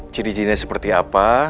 ciri cirinya seperti apa